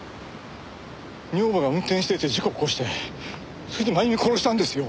女房が運転していて事故を起こしてそれで真由美を殺したんですよ。